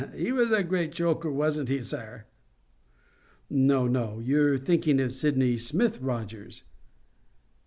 "He was a great joker, wasn't he, sir?" "No, no; you're thinking of Sydney Smith, Rogers."